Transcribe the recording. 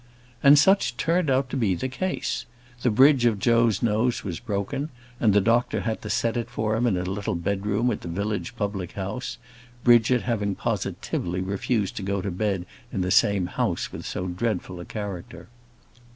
And such turned out to be the case. The bridge of Joe's nose was broken; and the doctor had to set it for him in a little bedroom at the village public house, Bridget having positively refused to go to bed in the same house with so dreadful a character.